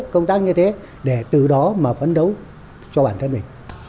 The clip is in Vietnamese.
công tác như thế để từ đó mà phấn đấu cho bản thân mình